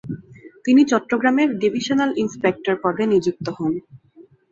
তিনি চট্টগ্রামের divisional inspector পদে নিযুক্ত হন।